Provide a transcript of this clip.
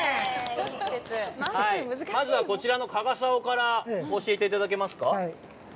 まずは、こちらの加賀竿から教えていただけますか。